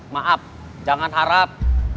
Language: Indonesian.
maaf jangan harap